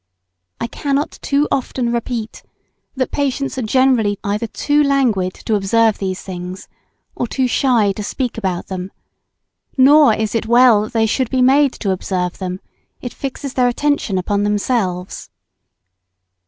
I cannot too often repeat that patients are generally either too languid to observe these things, or too shy to speak about them; nor is it well that they should be made to observe them, it fixes their attention upon themselves.